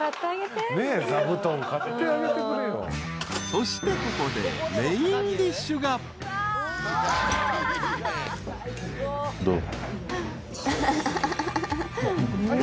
［そしてここでメインディッシュが］どう？